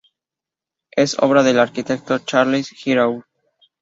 Es obra del arquitecto Charles Girault.